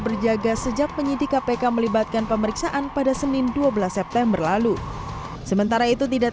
berjaga sejak penyidik kpk melibatkan pemeriksaan pada senin dua belas september lalu sementara itu tidak